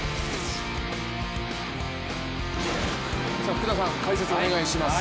福田さん、解説をお願いします。